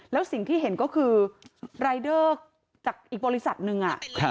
แล้วสิ่งที่เห็นก็คือรายเดอร์จากอีกบริษัทหนึ่ง